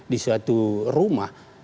di suatu rumah